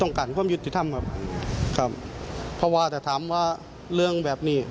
การความยุติธรรมครับครับเพราะว่าแต่ถามว่าเรื่องแบบนี้